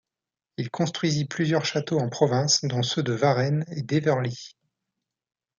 Il construisit plusieurs châteaux en province dont ceux de Varennes et d'Éverly.